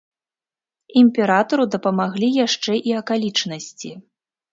Імператару дапамаглі яшчэ і акалічнасці.